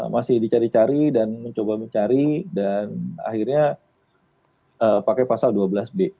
masih dicari cari dan mencoba mencari dan akhirnya pakai pasal dua belas b